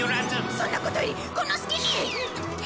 そんなことよりこの隙に！